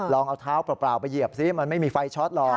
ลองเอาเท้าเปล่าไปเหยียบสิมันไม่มีไฟช็อตหรอก